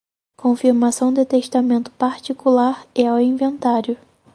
confirmação de testamento particular e ao inventário